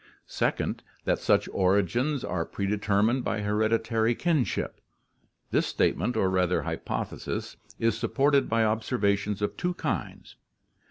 "Second: That such origins are predetermined by hereditary kinship. This statement, or rather hypothesis, is supported by observations of two kinds.